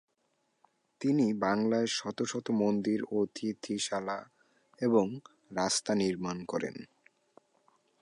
তিনি বাংলায় শত শত মন্দির, অতিথিশালা এবং রাস্তা নির্মাণ করেন।